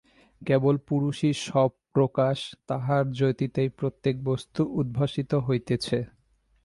কেবল পুরুষই স্বপ্রকাশ, তাঁহার জ্যোতিতেই প্রত্যেক বস্তু উদ্ভাসিত হইতেছে।